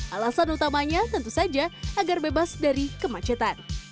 alasan utamanya tentu saja agar bebas dari kemacetan